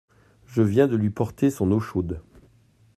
Je viens de lui porter son eau chaude.